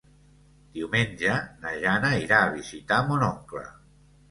Diumenge na Jana irà a visitar mon oncle.